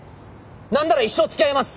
何なら一生つきあいます！